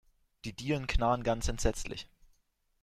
Die Dielen knarren ganz entsetzlich.